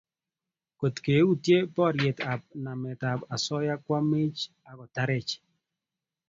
kotke utie porier ap namet ap osoya koamech akotarech